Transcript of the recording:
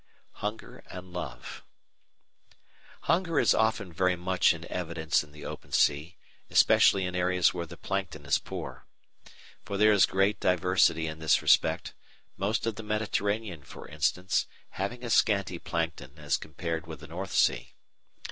Hunger and Love Hunger is often very much in evidence in the open sea, especially in areas where the Plankton is poor. For there is great diversity in this respect, most of the Mediterranean, for instance, having a scanty Plankton as compared with the North Sea.